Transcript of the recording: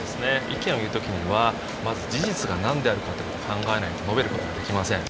意見を言う時にはまず事実が何であるかってことを考えないと述べることができません。